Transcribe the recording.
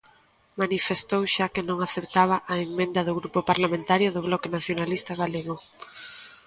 Manifestou xa que non aceptaba a emenda do Grupo Parlamentario do Bloque Nacionalista Galego.